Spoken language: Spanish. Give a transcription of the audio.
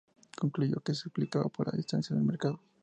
Concluyó que se explicaba por la distancia al mercado.